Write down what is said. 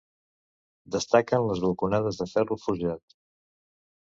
Destaquen les balconades de ferro forjat.